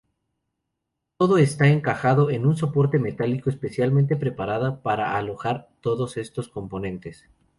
Todo está encajado en un soporte metálico especialmente preparada para alojar todos estos componentes.